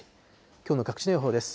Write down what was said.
きょうの各地の予報です。